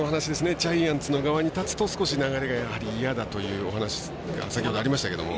ジャイアンツの側に立つと少し流れが嫌だというお話、先ほどありましたが。